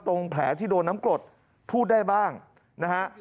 แผลที่โดนน้ำกรดพูดได้บ้างนะฮะ